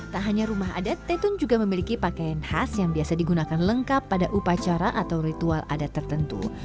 tak hanya rumah adat tetun juga memiliki pakaian khas yang biasa digunakan lengkap pada upacara atau ritual adat tertentu